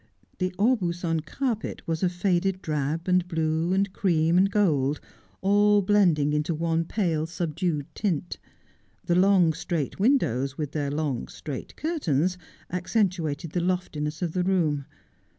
The Aubusson carpet was of faded drab, and blue, and cream, and gold, all blending into one pale, subdued tint. The long, straight windows, with their long, straight curtains, accentuated the lofti ness of the room.